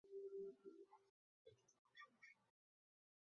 总部位于印度马哈拉施特拉邦孟买。